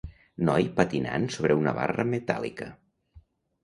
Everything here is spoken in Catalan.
Noi patinant sobre una barra metàl·lica.